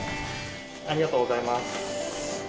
ありがとうございます。